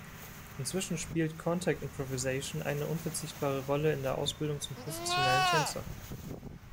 Inzwischen spielt Contact Improvisation ""eine unverzichtbare Rolle in der Ausbildung zum professionellen Tänzer.